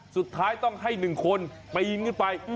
สุดท้ายต้องให้หนึ่งคนภายอินขึ้นไป